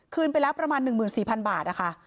ไปแล้วประมาณ๑๔๐๐๐บาทนะคะ